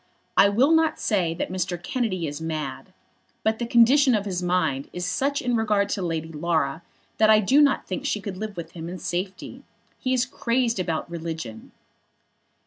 "I will not say that Mr. Kennedy is mad; but the condition of his mind is such in regard to Lady Laura that I do not think she could live with him in safety. He is crazed about religion."